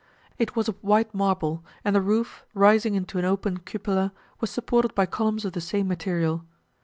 It was of white marble, and the roof, rising into an open cupola, was supported by columns of the same material.